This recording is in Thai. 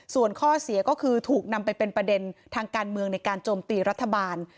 ส่วนข้อเสียก็คือถูกนำไปเป็นประเด็นทางการเมืองในการโจมตีรัฐบาล